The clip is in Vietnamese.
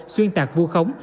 xuyên tạc vua khống